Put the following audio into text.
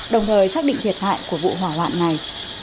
đồng thời xác định thiệt hại của vụ hỏa hoạn này